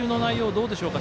どうでしょうか。